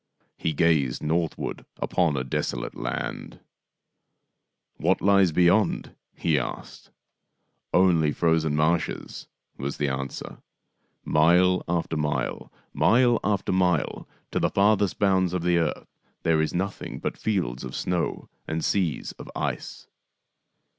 He gazed northward upon a desolate land. " What lies beyond ?" he asked. " Only frozen marshes," was the answer. " Mile after mile, mile after mile, to the farthest bounds 95 g6 THIRTY MORE FAMOUS STORIES of the earth there is nothing but fields of snow and seas of ice."